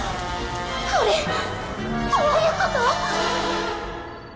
これどういうこと！？